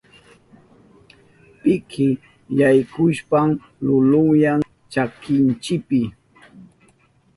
Piki yaykushpan lulunyan chakinchipi.